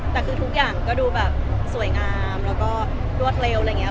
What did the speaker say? แต่คือทุกอย่างก็ดูแบบสวยงามแล้วก็รวดเร็วอะไรอย่างนี้